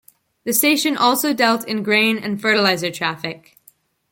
The station also dealt in grain and fertilizer traffic.